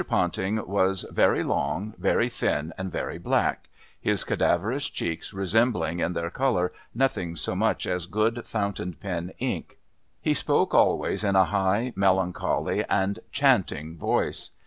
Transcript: Ponting was very long, very thin and very black, his cadaverous cheeks resembling in their colour nothing so much as good fountain pen ink. He spoke always in a high, melancholy and chanting voice.